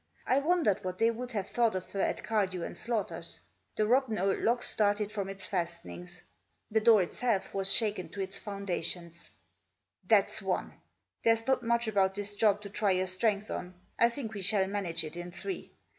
I wondered what they would have thought of her at Cardew and Slaughter's! The rotten old lock started from its fastenings ; the door itself was shaken to its foundations. " That's one. There's not much about this job to try your strength on. I think we shall manage it in three.